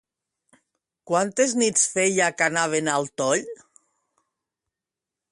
Quantes nits feia que anaven al toll?